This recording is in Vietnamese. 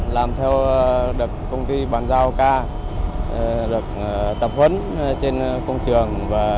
làm theo được công ty bàn giao ca được tập huấn trên công trường